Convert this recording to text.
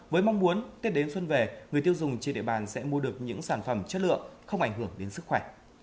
với mong muốn tết đến xuân về người tiêu dùng trên địa bàn sẽ mua được những sản phẩm chất lượng không ảnh hưởng đến sức khỏe